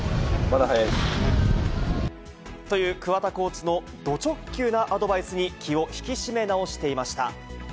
まだ早いですね。という桑田コーチのド直球なアドバイスに、気を引き締め直していました。